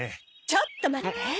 ちょっと待って！